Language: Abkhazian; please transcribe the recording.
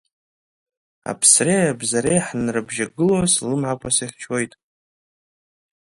Аԥсреи абзареи ҳанрыбжьагылоу слымҳақәа сыхьчоит!